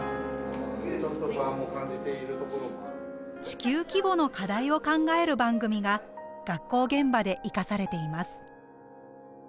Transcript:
地球規模の課題を考える番組が学校現場でいかされています。